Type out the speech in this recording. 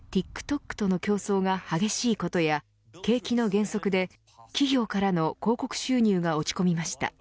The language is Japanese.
ＴｉｋＴｏｋとの競争が激しいことや、景気の減速で企業からの広告収入が落ち込みました。